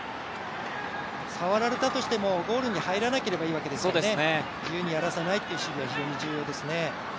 触られたとしてもゴールに入らなければいいわけですからね、自由にやらせないというのは重要ですね。